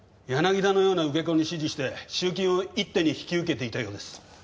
柳田のような受け子に指示して集金を一手に引き受けていたようです。